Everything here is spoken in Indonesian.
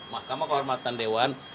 mahkamah kehormatan dewan